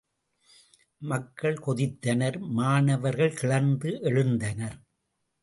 மக்கள் கொதித்தனர் மாணவர்கள் கிளர்ந்து எழுந்தனர்.